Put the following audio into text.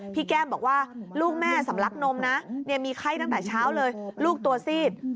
แก้มบอกว่าลูกแม่สำลักนมนะมีไข้ตั้งแต่เช้าเลยลูกตัวซีด